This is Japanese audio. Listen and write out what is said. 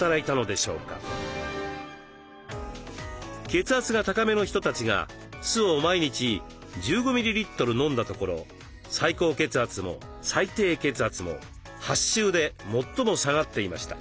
血圧が高めの人たちが酢を毎日１５ミリリットル飲んだところ最高血圧も最低血圧も８週で最も下がっていました。